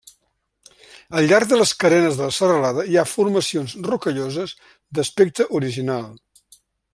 Al llarg de les carenes de la serralada hi ha formacions rocalloses d'aspecte original.